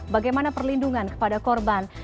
bagaimana perlindungan kepada korban